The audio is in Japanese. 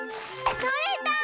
とれた！